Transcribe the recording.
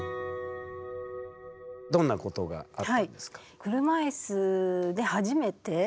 どんなことがあったんですか？